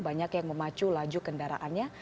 banyak yang memacu laju kendaraannya